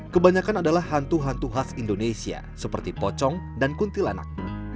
kebanyakan adalah hantu hantu khas indonesia seperti pocong dan kuntilanak